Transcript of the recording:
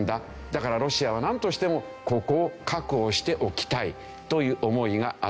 だからロシアはなんとしてもここを確保しておきたいという思いがあった。